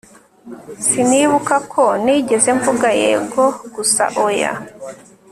sinibuka ko nigeze mvuga yego gusa oya